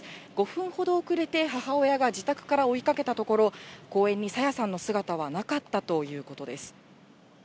５分ほど遅れて母親が自宅から追いかけたところ、公園に朝芽さんの姿はなかったということです。